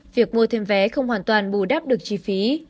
việc mua thêm vé không hoàn toàn bù đắp được chi phí